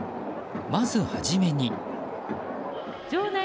まず始めに。